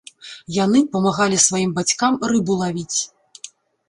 Яны памагалі сваім бацькам рыбу лавіць.